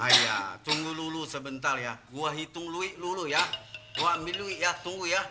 ayah tunggu dulu sebentar ya gue hitung dulu ya gue ambil dulu ya tunggu ya